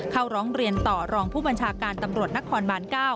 ร้องเรียนต่อรองผู้บัญชาการตำรวจนครบาน๙